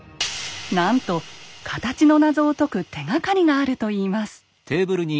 なんとカタチの謎を解く手がかりがあるといいます。